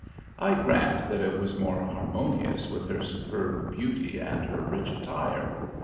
I grant that it was more harmonious with her superb beauty and her rich attire.